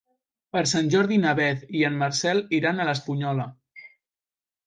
Per Sant Jordi na Beth i en Marcel iran a l'Espunyola.